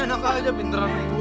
enak aja pinteran lo